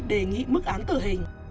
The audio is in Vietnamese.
đề nghị mức án tự hình